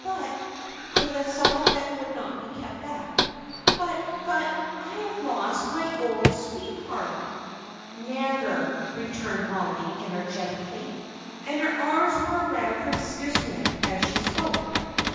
But" with a sob that would not be kept back "But but, I have lost my old sweetheart." "Never!" returned Mollie, energetically, and her arms were round her sister's neck as she spoke.